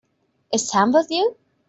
Is Sam with you?